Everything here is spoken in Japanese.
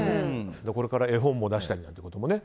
これから絵本も出したりってこともね。